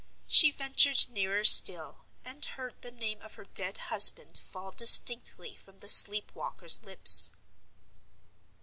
She ventured nearer still, and heard the name of her dead husband fall distinctly from the sleep walker's lips.